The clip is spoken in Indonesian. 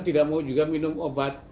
tidak mau juga minum obat